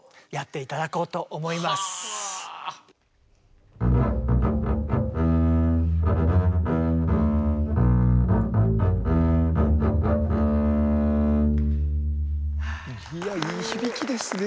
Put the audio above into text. いやいい響きですね。